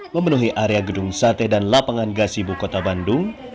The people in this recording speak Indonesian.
memenuhi area gedung sate dan lapangan gasibu kota bandung